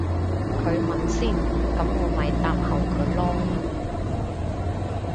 佢問先噉我咪答後佢咯